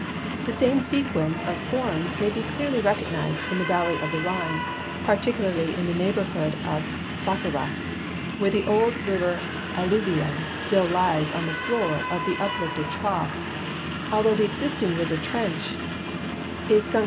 The same sequence of forms may be clearly recognized in the valle3'' of the Rhine, particularl3'^ in the neighborhood of Bacharach, where the old river alluvium still lies on the floor of the uplifted trough, although the existing river trench is sunk several him NAT.